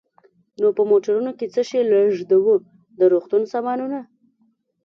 نو په موټرونو کې څه شی لېږدوو؟ د روغتون سامانونه.